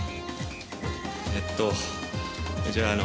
えっとじゃああの。